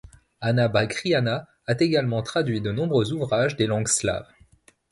Anna Bagriana a également traduit de nombreux ouvrages des langues slaves.